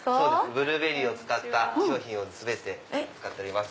ブルーベリーを使った商品を全て扱っております。